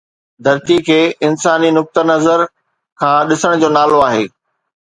ڌرتيءَ کي انساني نقطه نظر کان ڏسڻ جو نالو آهي